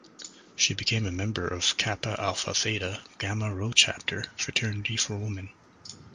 She became a member of Kappa Alpha Theta, Gamma Rho chapter, fraternity for women.